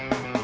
ya wak jum